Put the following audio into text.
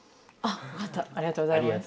ありがとうございます。